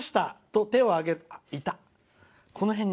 と手を上げていた」。